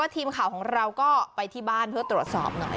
ทีมข่าวของเราก็ไปที่บ้านเพื่อตรวจสอบหน่อย